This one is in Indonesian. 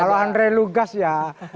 kalau andre lugas ya